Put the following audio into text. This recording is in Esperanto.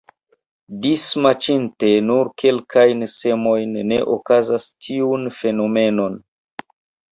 Dismaĉinte nur kelkajn semojn ne okazas tiun fenomenon.